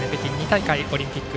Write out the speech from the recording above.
２大会オリンピック